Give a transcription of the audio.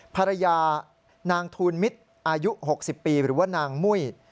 ภรรยานางทูลมิตรอายุ๖๐ปีหรือว่านางมุ้ย